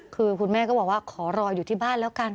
คือคุณแม่ก็บอกว่าขอรออยู่ที่บ้านแล้วกัน